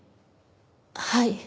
はい。